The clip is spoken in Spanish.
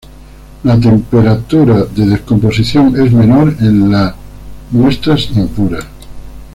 La temperatura de descomposición es menor en las muestras impuras.